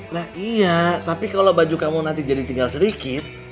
nah iya tapi kalau baju kamu nanti jadi tinggal sedikit